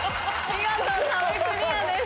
見事壁クリアです。